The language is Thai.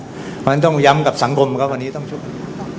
เพราะฉะนั้นต้องย้ำกับสังคมครับวันนี้ต้องช่วยกัน